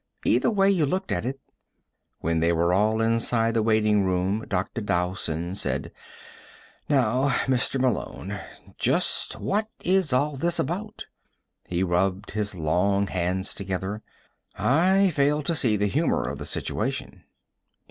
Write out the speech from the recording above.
Either way you looked at it When they were all inside the waiting room, Dr. Dowson said: "Now, Mr. Malone, just what is all this about?" He rubbed his long hands together. "I fail to see the humor of the situation."